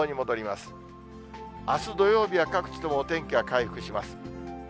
あす土曜日は、各地ともお天気は回復します。